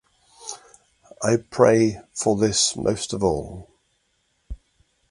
I pray for this most of all.